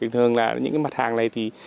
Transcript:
thường là những mặt hàng này thì